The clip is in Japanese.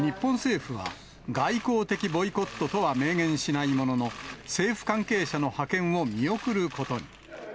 日本政府は、外交的ボイコットとは明言しないものの、政府関係者の派遣を見送ることに。